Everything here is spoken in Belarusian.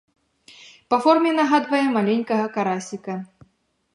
Па форме нагадвае маленькага карасіка.